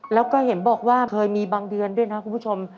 แล้วก็เห็นบอกว่าเคยมีบางเดือนด้วยนะคุณผู้ชม